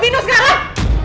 jelasin lepasin sagan